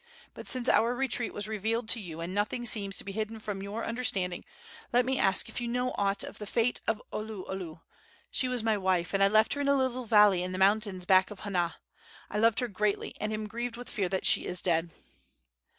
But since our retreat was revealed to you and nothing seems to be hidden from your understanding, let me ask if you know aught of the fate of Oluolu. She was my wife, and I left her in a little valley in the mountains back of Hana. I loved her greatly, and am grieved with the fear that she is dead."